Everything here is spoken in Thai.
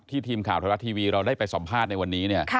ทีมข่าวไทยรัฐทีวีเราได้ไปสัมภาษณ์ในวันนี้